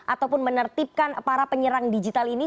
ataupun menertibkan para penyerang digital ini